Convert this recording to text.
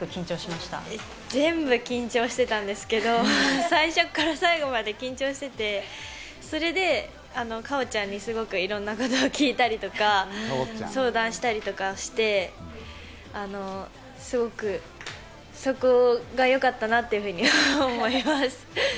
全部緊張してたんですけど、最初から最後まで緊張していて、かおちゃんにすごくいろんなことを聞いたりとか相談したりとかして、すごくそこがよかったなっていうふうに思います。